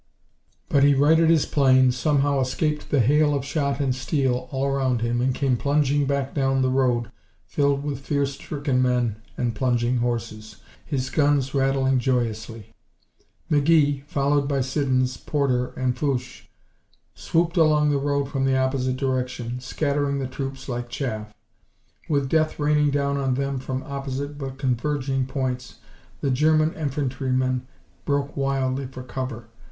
But he righted his plane, somehow escaped the hail of shot and steel all around him and came plunging back down the road filled with fear stricken men and plunging horses, his guns rattling joyously. McGee, followed by Siddons, Porter and Fouche, swooped along the road from the opposite direction, scattering the troops like chaff. With death raining down on them from opposite but converging points, the German infantrymen broke wildly for cover.